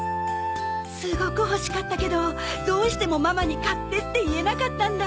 すごく欲しかったけどどうしてもママに買ってって言えなかったんだあ。